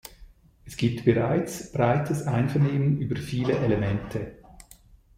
Es gibt bereits breites Einvernehmen über viele Elemente.